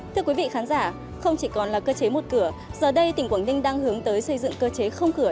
thưa quý vị khán giả không chỉ còn là cơ chế một cửa giờ đây tỉnh quảng ninh đang hướng tới xây dựng cơ chế không cửa